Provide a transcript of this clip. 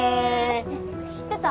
え知ってた？